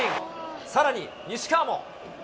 さらに西川も。